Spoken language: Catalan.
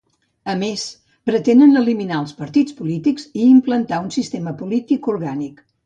A més pretenen eliminar els partits polítics i implantar un sistema polític orgànic.